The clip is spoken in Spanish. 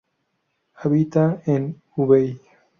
Habita en Hubei.